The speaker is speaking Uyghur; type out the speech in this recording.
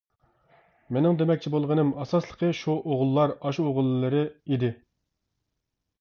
مېنىڭ دېمەكچى بولغىنىم ئاساسلىقى شۇ ئوغۇللار، ئاشۇ ئوغۇللىرى ئىدى.